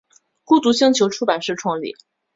孤独星球出版社创立。